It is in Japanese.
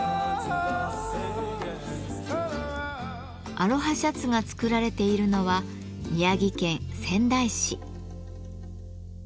アロハシャツが作られているのは宮城県仙台市。